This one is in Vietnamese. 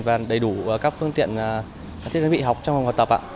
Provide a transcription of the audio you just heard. và đầy đủ các phương tiện thiết bị học trong phòng học tập